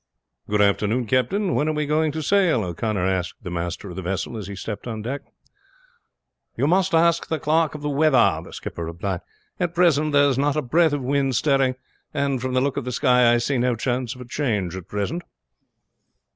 "Good afternoon, captain. When are we going to sail?" O'Connor asked the master of the vessel as he stepped on deck. "You must ask the clerk of the weather," the skipper replied. "At present there is not a breath of wind stirring, and from the look of the sky I see no chance of a change at present."